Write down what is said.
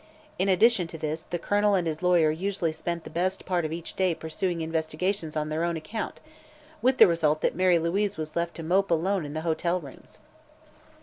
In addition to this the Colonel and his lawyer usually spent the best part of each day pursuing investigations on their own account, with the result that Mary Louise was left to mope alone in the hotel rooms.